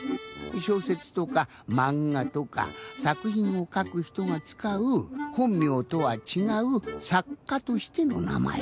しょうせつとかまんがとかさくひんをかくひとがつかうほんみょうとはちがうさっかとしてのなまえ。